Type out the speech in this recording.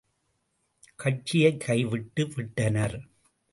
கட்சியைக் கைவிட்டு விட்டனர்.